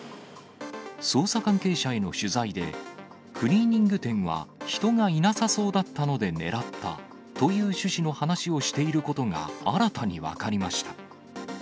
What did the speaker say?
捜査関係者への取材で、クリーニング店は人がいなさそうだったので狙ったという趣旨の話をしていることが新たに分かりました。